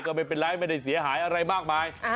ก็ไม่เป็นไรไม่ได้เสียหายอะไรมากมาย